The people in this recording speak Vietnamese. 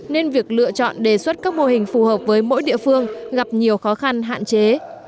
nên việc lựa chọn đề xuất các mô hình phù hợp với mỗi địa phương gặp nhiều khó khăn hạn chế